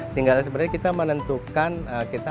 tinggal sebenarnya kita menentukan kita